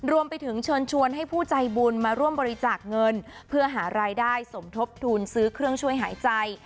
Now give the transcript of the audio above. รวมไปถึงเชิญชวนให้ผู้ใจบุญมาร่วมบริจาคเงินเพื่อหารายได้สมทบทุนซื้อเครื่องช่วยหายใจ